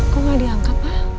kok gak diangkat pa